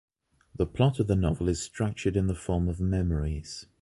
The plot of the novel is structured in the form of memories.